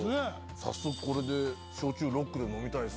早速これで焼酎ロックで飲みたいですね。